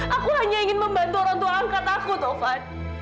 aku hanya ingin membantu orang tua angkat aku taufan